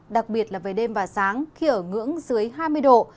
đặc biệt là về đêm và sáng khi ở ngưỡng dưới hai mươi độ